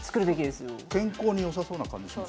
健康によさそうな感じします。